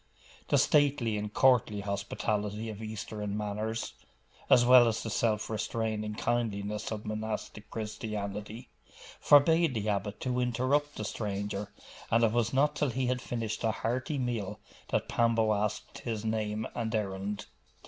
The stately and courtly hospitality of Eastern manners, as well as the self restraining kindliness of monastic Christianity, forbade the abbot to interrupt the stranger; and it was not till he had finished a hearty meal that Pambo asked his name and errand.